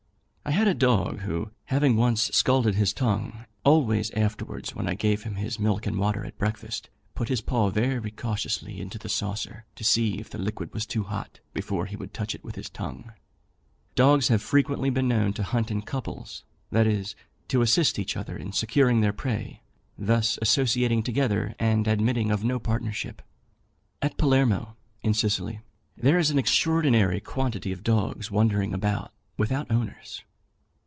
I had a dog, who, having once scalded his tongue, always afterwards, when I gave him his milk and water at breakfast, put his paw very cautiously into the saucer, to see if the liquid was too hot, before he would touch it with his tongue. Dogs have frequently been known to hunt in couples; that is, to assist each other in securing their prey: thus associating together and admitting of no partnership. At Palermo, in Sicily, there is an extraordinary quantity of dogs wandering about without owners.